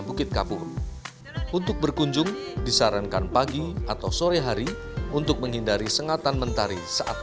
bukit kapur untuk berkunjung disarankan pagi atau sore hari untuk menghindari sengatan mentari saat